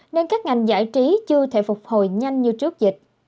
nên các ngành giải trí chưa thể phục hồi nhanh như trước dịch